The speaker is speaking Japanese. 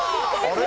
あれ？